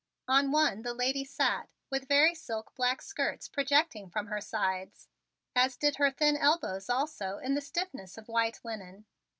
On one the lady sat with very stiff black silk skirts projecting from her sides, as did her thin elbows also in the stiffness of white linen.